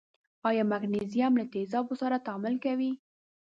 آیا مګنیزیم له تیزابو سره تعامل کوي؟